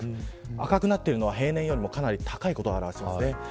赤くなっているのは平年よりも高いことを表しています。